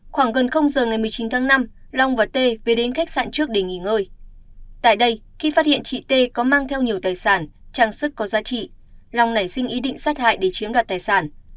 khoảng gần giờ ngày một mươi chín tháng năm long và t về đến khách sạn trước để nghỉ ngơi tại đây khi phát hiện chị t có mang theo nhiều tài sản trang sức có giá trị long nảy sinh ý định sát hại để chiếm đoạt tài sản